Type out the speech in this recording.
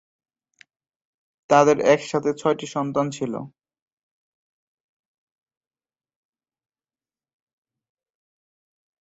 তাদের একসাথে ছয়টি সন্তান ছিল।